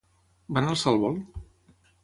Van alçar el vol?